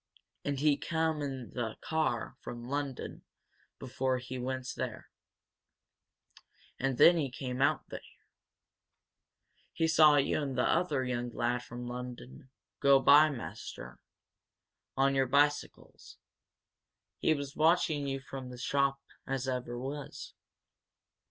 And he come in the car from Lunnon before he went there and then he come out here. He saw you and t'other young lad from Lunnon go by, maister, on your bicycles. He was watching you from the shop as ever was."